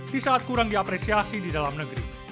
di saat kurang diapresiasi di dalam negeri